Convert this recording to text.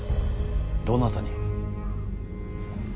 どなたに。